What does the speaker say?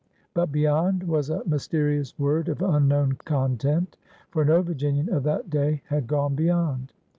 But "be yond '' was a mysterious word of unknown content, for no Virginian of that day had gone beyond.